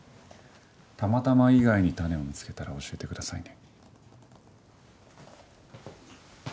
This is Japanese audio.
「たまたま」以外にタネを見つけたら教えてくださいね。